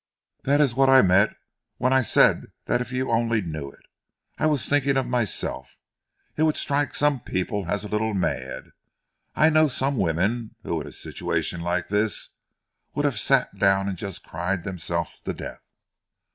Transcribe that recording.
"That is what I meant when I said that if you only knew it, I was thinking of myself. It would strike some people as a little mad. I know some women who in a situation like this would have sat down and just cried themselves to death."